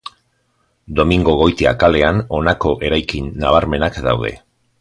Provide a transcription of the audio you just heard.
Domingo Goitia kalean honako eraikin nabarmenak daude.